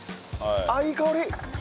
ああいい香り！